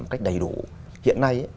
một cách đầy đủ hiện nay